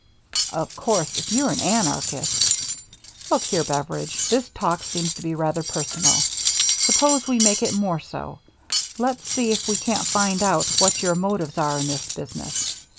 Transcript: " Of course, if you're an anarchist —"" Look here, Beveridge, this talk seems to be rather personal — suppose we make it more so. Let's see if we can't find out what your motives are in this business.